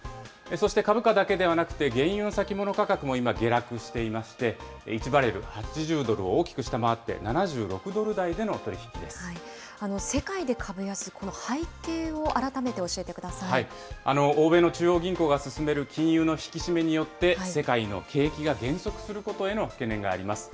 そして株価だけではなくて、原油の先物価格も今、下落していまして、１バレル８０ドルを大きく下回って、７６ドル台での取り引き世界で株安、この背景を改め欧米の中央銀行が進める金融の引き締めによって、世界の景気が減速することへの懸念があります。